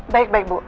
baik baik bu